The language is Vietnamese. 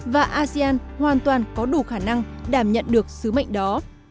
và asean hoàn toàn có đủ khả năng đảm nhận được sứ mệnh đó